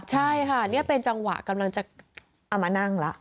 ใช่ค่ะนี่เป็นจังหวะกำลังจะเอามานั่งแล้ว